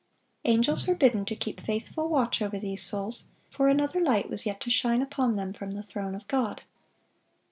Angels were bidden to keep faithful watch over these souls; for another light was yet to shine upon them from the throne of God.